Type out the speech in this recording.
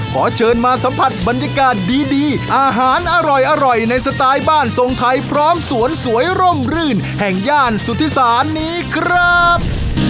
ขอเชิญมาสัมผัสบรรยากาศดีอาหารอร่อยในสไตล์บ้านทรงไทยพร้อมสวนสวยร่มรื่นแห่งย่านสุธิศาลนี้ครับ